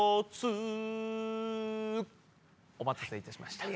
お待たせいたしました。